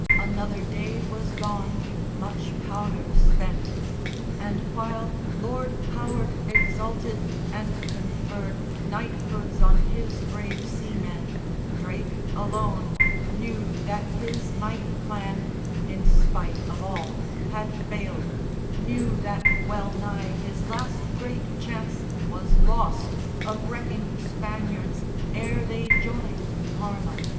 Another day was gone, much powder spent; And, while Lord Howard exulted and conferred Knighthoods on his brave seamen, Drake alone Knew that his mighty plan, in spite of all, Had failed, knew that wellnigh his last great chance Was lost of wrecking the Spaniards ere they joined Parma.